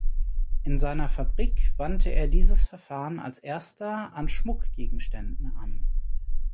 In seiner Fabrik wandte er dieses Verfahren als erster an Schmuckgegenständen an.